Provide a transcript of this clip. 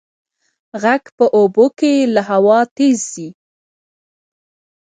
غږ په اوبو کې له هوا تېز ځي.